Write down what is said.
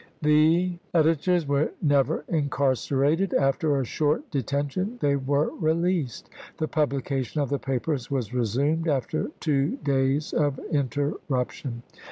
THE CLEVELAND CONVENTION 49 editors were never incarcerated ; after a short de chap.ii. tention, they were released. The publication of the papers was resumed after two days of interruption.